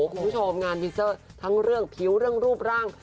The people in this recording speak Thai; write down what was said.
คุณผู้ชมงานพิวเซอร์ทั้งเรื่องผิวเรื่องรูปร่าง